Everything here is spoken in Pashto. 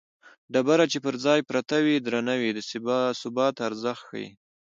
ډبره چې پر ځای پرته وي درنه وي د ثبات ارزښت ښيي